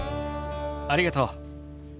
ありがとう。